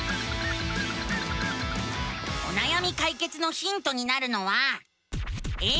おなやみかいけつのヒントになるのは。